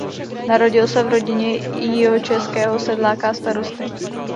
Narodil se v rodině jihočeského sedláka a starosty.